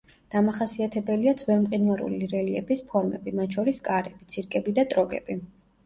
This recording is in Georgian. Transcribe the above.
დამახასიათებელია ძველმყინვარული რელიეფის ფორმები, მათ შორის კარები, ცირკები და ტროგები.